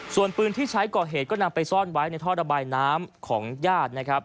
ส่วนปืนที่ใช้ก่อเหตุก็นำไปซ่อนไว้ในท่อระบายน้ำของญาตินะครับ